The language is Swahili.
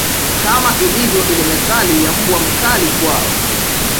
Kama ilivyo ile methali ya mbwa mkali kwao